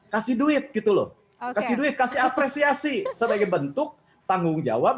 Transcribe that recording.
kasih duit gitu loh kasih duit kasih apresiasi sebagai bentuk tanggung jawab